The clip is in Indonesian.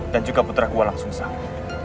dan juga putra kualang sung sang